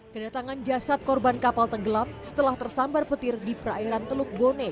kedatangan jasad korban kapal tenggelam setelah tersambar petir di perairan teluk bone